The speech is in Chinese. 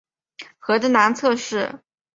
河的南侧是。